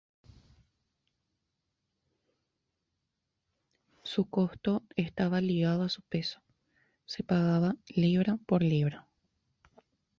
Su coste estaba ligado a su peso: se pagaba "libra por libra".